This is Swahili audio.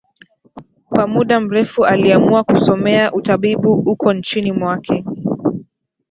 Kwa muda mrefu aliamua kusomea utabibu uko nchini mwake